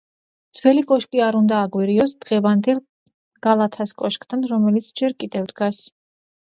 ძველი კოშკი არ უნდა აგვერიოს დღევანდელ გალათას კოშკთან, რომელიც ჯერ კიდევ დგას.